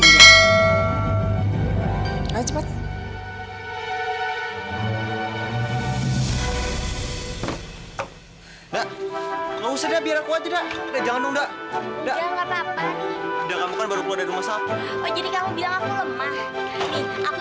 enggak usah biar aku aja enggak enggak enggak enggak enggak enggak enggak enggak